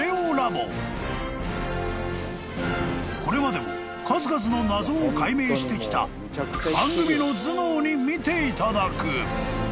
［これまでも数々の謎を解明してきた番組の頭脳に見ていただく］